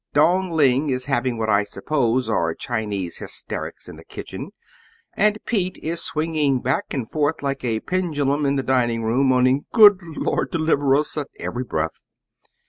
Dong Ling is having what I suppose are Chinese hysterics in the kitchen; and Pete is swinging back and forth like a pendulum in the dining room, moaning 'Good Lord, deliver us!' at every breath.